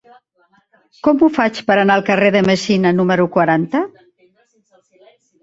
Com ho faig per anar al carrer de Messina número quaranta?